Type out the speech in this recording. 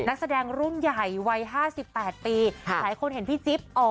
นักแสดงรุ่นใหญ่วัยห้าสิบแปดปีหลายคนเห็นพี่จิ๊บอ๋อ